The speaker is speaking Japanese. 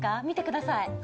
見てください。